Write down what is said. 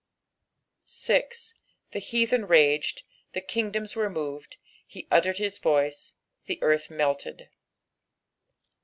6 The heathen raged, the kingdoms were moved : he uttered his voice, the earth melted.